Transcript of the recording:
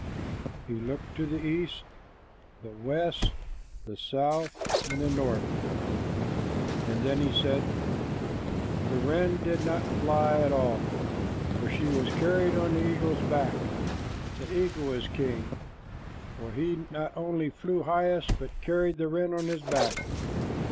He looked to the east, the west, the south, and the north, and then he said, "The wren did not fly at all, for she was carried on the eagle's back. The eagle is king, for he not only flew highest, but carried the wren on his back."